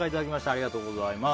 ありがとうございます。